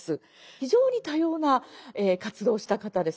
非常に多様な活動をした方です。